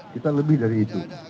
kita lebih dari itu